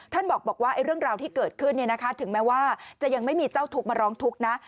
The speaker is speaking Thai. ท่านบอกว่าเรื่องราวที่เกิดขึ้นถึงแม้ว่าจะยังไม่มีเจ้าทุกข์มาร้องทุกข์นะ